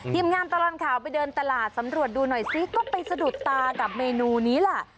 ทีมงานตลอดข่าวไปเดินตลาดสำรวจดูหน่อยซิก็ไปสะดุดตากับเมนูนี้แหละ